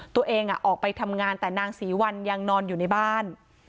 ตัวเองออกไปทำงานแต่นางศรีวัลยังนอนอยู่ในบ้าน